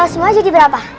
semua jadi berapa